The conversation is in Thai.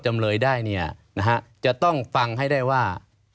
จำเลยได้จะต้องฟังให้ได้ว่า